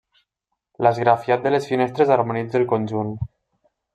L'esgrafiat de les finestres harmonitza el conjunt.